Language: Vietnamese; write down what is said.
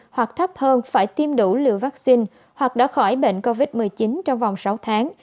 hoặc thấp hơn phải tiêm đủ lượng vắc xin hoặc đã khỏi bệnh covid một mươi chín trong vòng sáu tháng